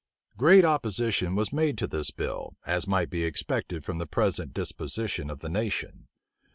Great opposition was made to this bill, as might be expected from the present disposition of the nation.